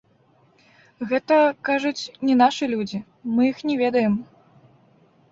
Гэта, кажуць, не нашы людзі, мы іх не ведаем.